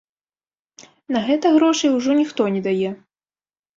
На гэта грошай ужо ніхто не дае.